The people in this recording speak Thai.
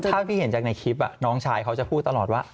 ถ้าพี่เห็นจากในคลิปน้องชายเขาจะพูดตลอดว่า